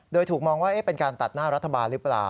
โดยถูกมองว่าเป็นการตัดหน้ารัฐบาลหรือเปล่า